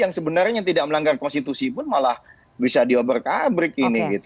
yang sebenarnya yang tidak melanggar precisamente pun malah bisa di comunque kayak gini gitu